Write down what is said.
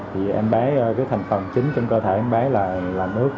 vì thành phần chính trong cơ thể em bé là nước